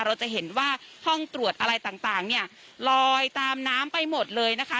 เราจะเห็นว่าห้องตรวจอะไรต่างเนี่ยลอยตามน้ำไปหมดเลยนะคะ